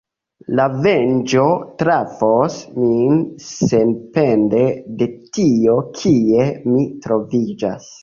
La venĝo trafos min sendepende de tio kie mi troviĝas.